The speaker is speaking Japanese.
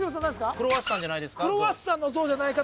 クロワッサンの像じゃないか？